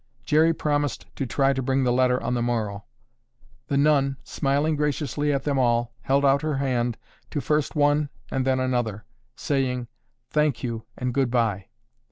Jerry promised to try to bring the letter on the morrow. The nun, smiling graciously at them all, held out her hand to first one and then another, saying, "Thank you and goodbye."